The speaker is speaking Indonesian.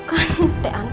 kau kan yang tekan ku